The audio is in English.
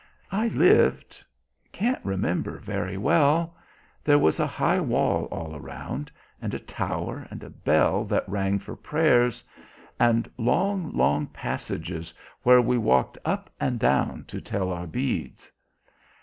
I lived can't remember very well; there was a high wall all around, and a tower and a bell that rang for prayers and long, long passages where we walked up and down to tell our beads.